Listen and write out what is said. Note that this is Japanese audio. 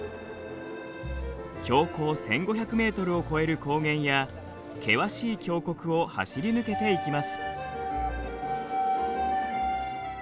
標高１，５００ｍを超える高原や険しい峡谷を走り抜けていきます。